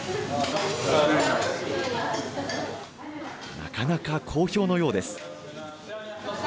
なかなか好評のようです。